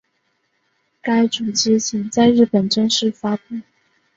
该主机仅在日本正式发布。